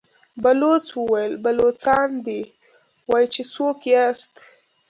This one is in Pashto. بلوڅ وويل: بلوڅان دي، وايي چې څوک ياست؟